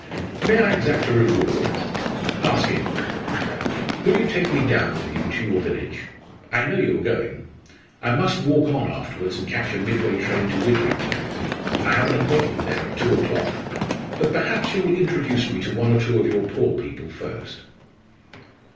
"May I exact a reward?" "Ask it." "Will you take me down with you to your village? I know you are going. I must walk on afterwards and catch a midday train to Widrington. I have an appointment there at two o'clock. But perhaps you will introduce me to one or two of your poor people first?"